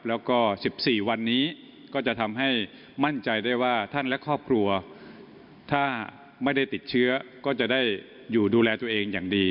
แล้วก็๑๔วันนี้ก็จะทำให้มั่นใจได้ว่าท่านและครอบครัวถ้าไม่ได้ติดเชื้อก็จะได้อยู่ดูแลตัวเองอย่างดี